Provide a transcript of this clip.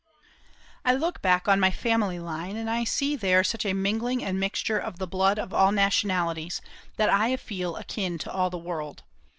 I look back on my family line, and I see there such a mingling and mixture of the blood of all nationalities that I feel akin to all the world.